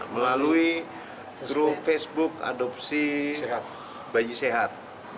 melalui grup facebook adopsi bayi sehat